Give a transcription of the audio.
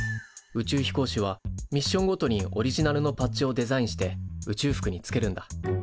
宇宙飛行士はミッションごとにオリジナルのパッチをデザインして宇宙服につけるんだ。